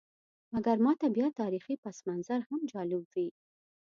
مګر ماته بیا تاریخي پسمنظر هم جالب وي.